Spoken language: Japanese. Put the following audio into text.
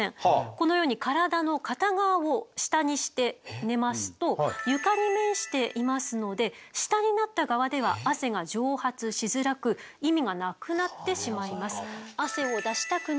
このように体の片側を下にして寝ますと床に面していますので下になった側では汗が蒸発しづらく意味がなくなってしまいます。